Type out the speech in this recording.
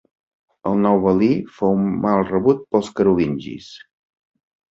El nou valí fou mal rebut pels carolingis.